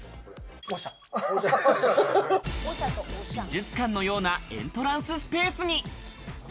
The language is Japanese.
美術館のようなエントランススペースに。